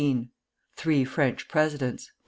THREE FRENCH PRESIDENT'S.